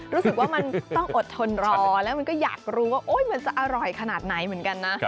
รู้สึกว่ามันต้องอดทนรอแล้วมันก็อยากรู้ว่ามันจะอร่อยขนาดไหนเหมือนกันนะ